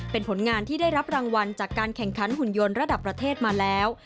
เป็นผลงานที่ได้รับรางวัลจากการแข่งขันหุ่นยนต์ระดับประเทศมาแล้ว